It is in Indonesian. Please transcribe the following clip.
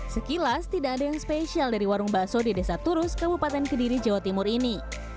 sekilas tidak ada yang spesial dari warung bakso di desa turus kabupaten kediri jawa timur ini